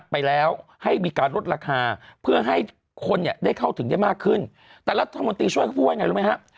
ไปแล้วให้มีการลดราคาเพื่อให้คนเนี่ยได้เข้าถึงได้มากขึ้นแต่รัฐมนตรีช่วยเขาพูดว่าไงรู้ไหมฮะ